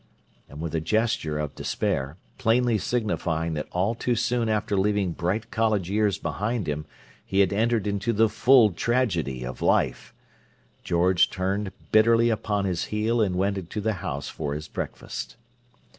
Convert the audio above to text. And with a gesture of despair, plainly signifying that all too soon after leaving bright college years behind him he had entered into the full tragedy of life, George turned bitterly upon his heel and went into the house for his breakfast.